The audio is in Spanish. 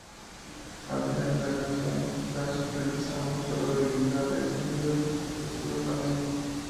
Al final de la canción, Slash realiza un solo de guitarra extendido estilo flamenco.